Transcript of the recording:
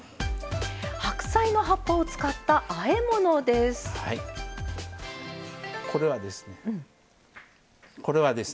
白菜の葉っぱを使ったあえ物です。